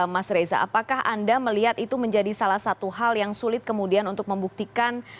mas reza apakah anda melihat itu menjadi salah satu hal yang sulit kemudian untuk membuktikan